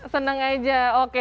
seneng aja oke